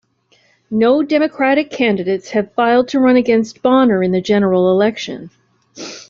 No Democratic candidates have filed to run against Bonner in the general election.